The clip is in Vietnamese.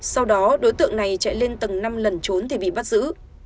sau đó đối tượng này chạy lên tầng năm lần trốn thì bị bắt giữ